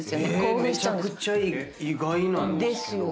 めちゃくちゃ意外なんですけど。